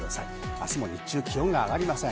明日も日中、気温が上がりません。